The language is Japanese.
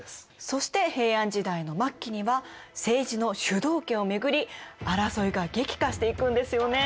そして平安時代の末期には政治の主導権を巡り争いが激化していくんですよね。